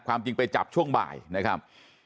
ความจริงไปจับช่วงบ่ายนะครับ